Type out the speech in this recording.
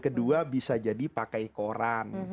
kedua bisa jadi pakai koran